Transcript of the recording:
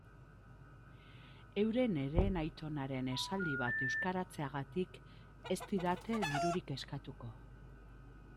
Euren herenaitonaren esaldi bat euskaratzeagatik ez didate dirurik eskatuko.